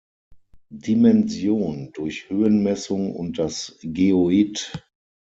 Dimension durch Höhenmessung und das Geoid.